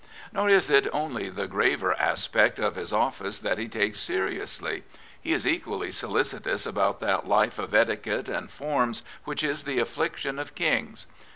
Nor is it only the graver aspects of his office that he takes seriously. He is equally solicitous about that life of etiquette and forms which is the affliction of kings.